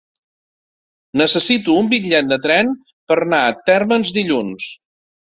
Necessito un bitllet de tren per anar a Térmens dilluns.